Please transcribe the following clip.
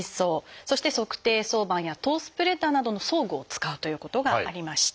そして足底挿板やトースプレッダーなどの装具を使うということがありました。